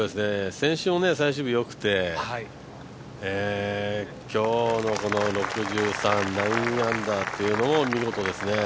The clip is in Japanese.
先週も最終日よくて今日の６３、９アンダーというのも見事ですね。